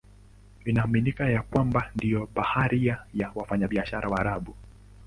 Inaaminika ya kwamba ndio mabaharia na wafanyabiashara Waarabu.